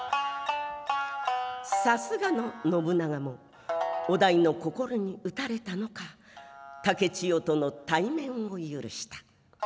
さすがの信長も於大の心に打たれたのか竹千代との対面を許した。